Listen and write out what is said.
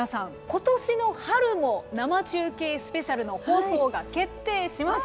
今年の春も生中継スペシャルの放送が決定しました。